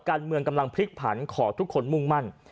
การเมืองกำลังพลิกผันขอทุกคนมุ่งมั่น